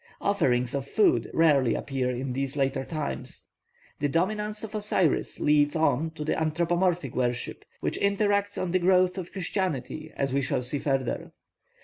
Offerings of food rarely appear in these later times. This dominance of Osiris leads on to the anthropomorphic worship, which interacts on the growth of Christianity as we shall see further.